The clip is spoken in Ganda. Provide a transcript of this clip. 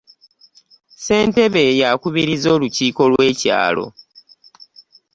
Sentebe yakubiriza olukiiko lwe kyalo.